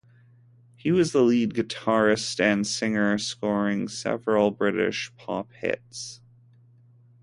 He was the lead guitarist and singer, scoring several British pop hits.